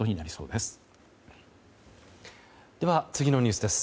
では次のニュースです。